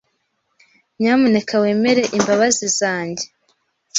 Nyamuneka wemere imbabazi zanjye.